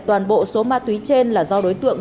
toàn bộ số ma túy trên là do đối tượng